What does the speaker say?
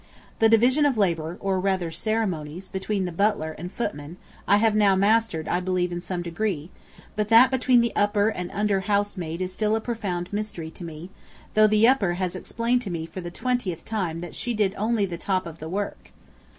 The division of labor, or rather ceremonies, between the butler and footman, I have now mastered I believe in some degree, but that between the upper and under house maid is still a profound mystery to me, though the upper has explained to me for the twentieth time that she did only "the top of the work."